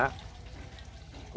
untuk mencari pemerintahan